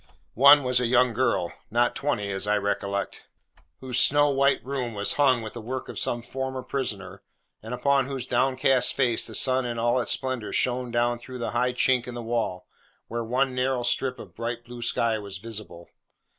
One was a young girl; not twenty, as I recollect; whose snow white room was hung with the work of some former prisoner, and upon whose downcast face the sun in all its splendour shone down through the high chink in the wall, where one narrow strip of bright blue sky was visible.